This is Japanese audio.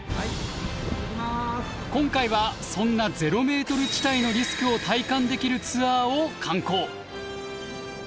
今回はそんなゼロメートル地帯のリスクを体感できるツアーを敢行！